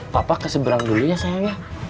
papa keseberang dulu ya sayang ya